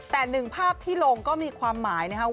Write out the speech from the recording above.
แต่หนึ่งภาพที่ลงก็มีความหมายนะครับ